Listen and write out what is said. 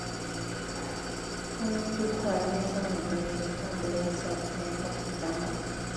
ko nitwitwara neza mu gihembwe cya mbere, bazaduhemba kujya mu